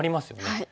はい。